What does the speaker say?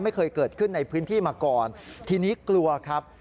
ไม่เคยเกิดขึ้นในพื้นที่มาก่อนทีนี้กลัวครับ